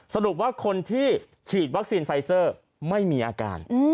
สรุปว่าคนที่ฉีดวัคซีนไฟเซอร์ไม่มีอาการ